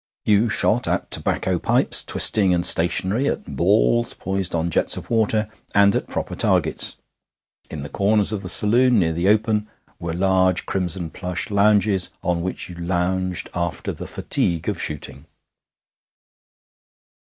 You shot at tobacco pipes, twisting and stationary, at balls poised on jets of water, and at proper targets. In the corners of the saloon, near the open, were large crimson plush lounges, on which you lounged after the fatigue of shooting.